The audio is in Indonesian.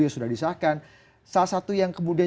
yang sudah disahkan salah satu yang kemudian